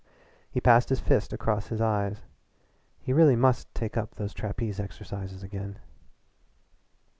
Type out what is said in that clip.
He passed his fist across his eyes. He really must take up those trapeze exercises again.